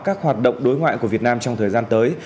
các hoạt động đối ngoại của việt nam trong thời gian tới